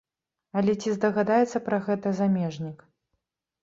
Але ці здагадаецца пра гэта замежнік?